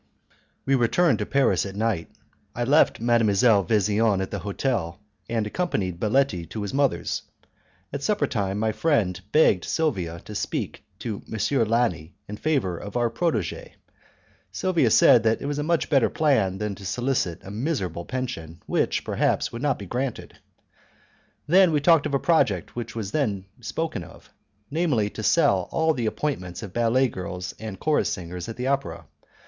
We returned to Paris at night, I left Mdlle. Vesian at the hotel, and accompanied Baletti to his mother's. At supper time, my friend begged Silvia to speak to M. Lani in favour of our 'protegee', Silvia said that it was a much better plan than to solicit a miserable pension which, perhaps, would not be granted. Then we talked of a project which was then spoken of, namely to sell all the appointments of ballet girls and of chorus singers at the opera.